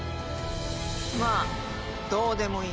まあどうでもいいけど。